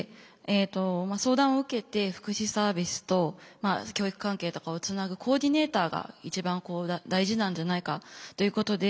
相談を受けて福祉サービスと教育関係とかをつなぐコーディネーターが一番大事なんじゃないかということで。